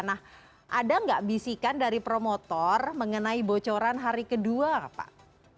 nah ada nggak bisikan dari promotor mengenai bocoran hari kedua pak